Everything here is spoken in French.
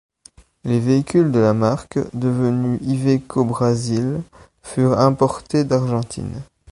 Les véhicules de la marque, devenue Iveco Brazil, furent importés d'Argentine.